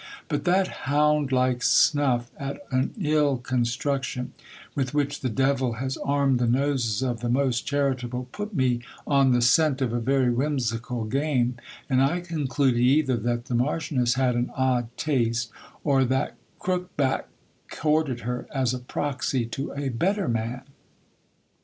But that hound like snuff at an ill construc tion, with which the devil has armed the noses of the most charitable, put me on the scent of a very whimsical game, and I concluded either that the mar chioness had an odd taste, or that crookback courted her as proxy to a better man.